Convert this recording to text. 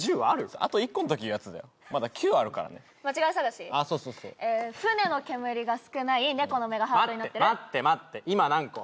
それあと１個のとき言うやつだよまだ９あるからね間違い探しそうそうそう船の煙が少ない猫の目がハートになってる待って待って今何個？